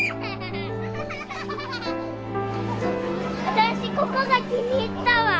私ここが気に入ったわ。